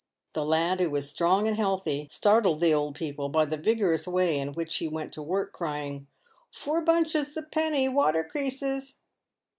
The lad, who was strong and healthy, startled the old people by the vigorous way in which he went to work, crying, " four bunches a penny, water creases."